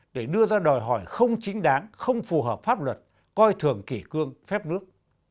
để đưa ra đòi hỏi không chính đáng không phù hợp pháp luật coi thường kỷ cương phép nước